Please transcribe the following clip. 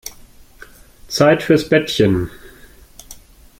Zeit fürs Bettchen.